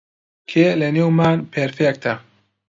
کێ لەنێومان پێرفێکتە؟